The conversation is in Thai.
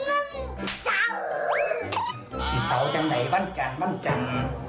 วันเจ้าจังใดวันจ่าววันจ่าว